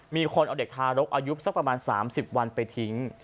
มีคนเอาเด็กทารกอายุสักประมาณ๓๐วันไปทิ้ง